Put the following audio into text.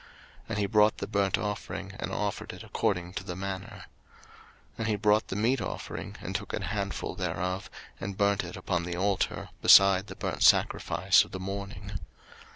03:009:016 And he brought the burnt offering, and offered it according to the manner. 03:009:017 And he brought the meat offering, and took an handful thereof, and burnt it upon the altar, beside the burnt sacrifice of the morning.